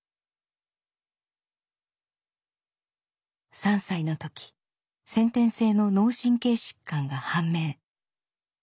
３歳の時先天性の脳神経疾患が判明。